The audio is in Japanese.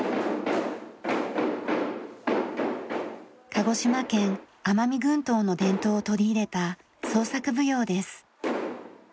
鹿児島県奄美群島の伝統を取り入れた創作舞踊です。